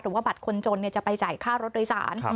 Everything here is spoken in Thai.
หรือว่าบัตรคนจนเนี่ยจะไปจ่ายค่ารถรายสาร